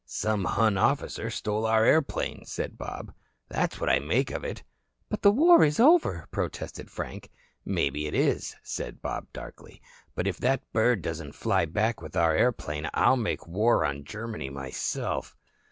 "Some Hun officer stole our airplane," said Bob. "That's what I make of it." "But the war is over," protested Frank. "Maybe it is," said Bob darkly. "But if that bird doesn't fly back with our airplane I'll make war on Germany myself."